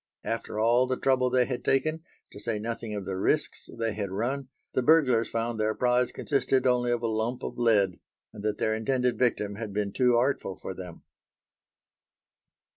After all the trouble they had taken, to say nothing of the risks they had run, the burglars found their prize consisted only of a lump of lead, and that their intended victim had been too artful for them.